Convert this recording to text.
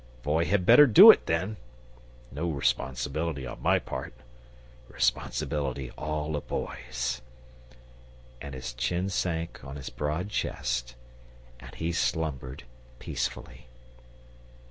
Boy had better do it then! No responsibility on my part. Responsibility all Boy's!" And his chin sank on his broad chest and he slumbered peacefully.